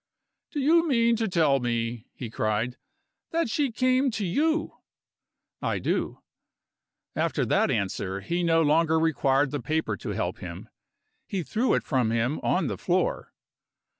"Do you mean to tell me," he cried, "that she came to you?" "I do." After that answer, he no longer required the paper to help him. He threw it from him on the floor.